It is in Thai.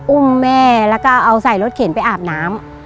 อุ้มแม่แล้วก็เอาใส่รถเข็นไปอาบน้ำ